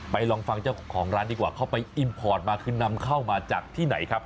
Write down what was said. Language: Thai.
ลองฟังเจ้าของร้านดีกว่าเขาไปอิมพอร์ตมาคือนำเข้ามาจากที่ไหนครับ